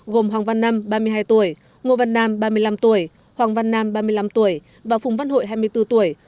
gồm hoàng văn nam ba mươi hai tuổi ngô văn nam ba mươi năm tuổi hoàng văn nam ba mươi năm tuổi và phùng văn hội hai mươi bốn tuổi